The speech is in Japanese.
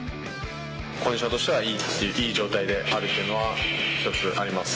コンディションとしてはいい状態であるってのは一つあります。